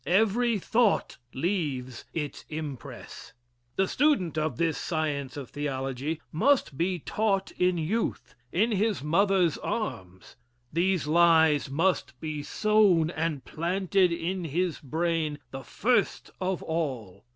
Every thought leaves its impress. The student of this science of theology must be taught in youth, in his mother's arms. These lies must be sown and planted in his brain the first of all.